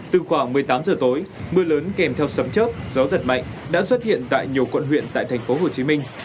từ khoảng một mươi tám giờ tối mưa lớn kèm theo sấm chớp gió giật mạnh đã xuất hiện tại nhiều quận huyện tại thành phố hồ chí minh